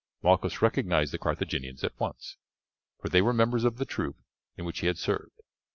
Malchus recognized the Carthaginians at once, for they were members of the troop in which he had served.